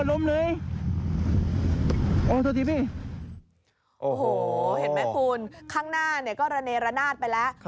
โอ้โหดูสิโอ้โหเห็นไหมคุณข้างหน้าเนี่ยก็ระเนระนาดไปแล้ว